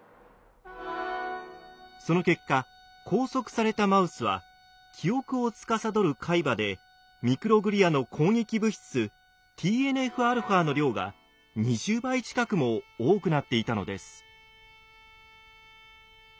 その結果拘束されたマウスは記憶をつかさどる海馬でミクログリアの攻撃物質ＴＮＦ−αの量が２０倍近くも多くなっていたのです。